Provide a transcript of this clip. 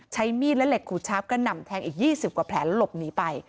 ใช้มีดและเหล็กขูดชาปกระหน่ำแทงอีก๒๐กว่าแผลหลบหนีไป